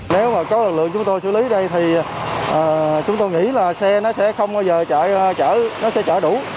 nếu mà có lực lượng chúng tôi xử lý đây thì chúng tôi nghĩ là xe nó sẽ không bao giờ chở đủ